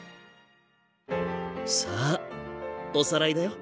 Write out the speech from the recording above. さあおさらいだよ。